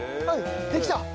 できた！